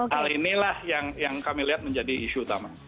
hal inilah yang kami lihat menjadi isu utama